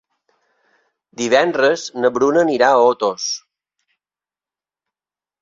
Divendres na Bruna anirà a Otos.